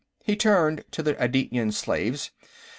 He turned to the Adityan slaves.